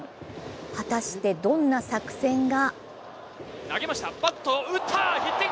果たして、どんな作戦が？